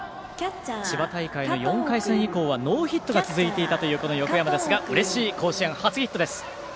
千葉大会の４回戦以降はノーヒットが続いていたという横山ですがうれしい甲子園初ヒット。